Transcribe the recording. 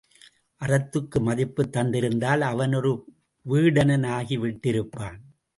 அறத்துக்கு மதிப்புத் தந்திருந்தால் அவன் ஒரு வீடணன் ஆகி விட்டு இருப்பான்.